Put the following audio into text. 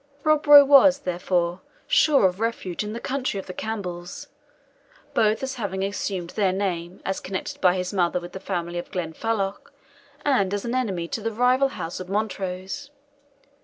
Rob Roy was, therefore, sure of refuge in the country of the Campbells, both as having assumed their name, as connected by his mother with the family of Glenfalloch, and as an enemy to the rival house of Montrose.